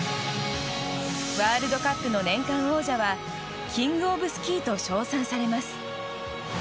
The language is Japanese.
ワールドカップの年間王者はキングオブスキーと称賛されます。